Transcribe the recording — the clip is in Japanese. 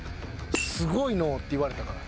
「すごいのぉ」って言われたから。